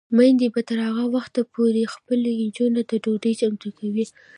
میندې به تر هغه وخته پورې خپلو نجونو ته ډوډۍ چمتو کوي.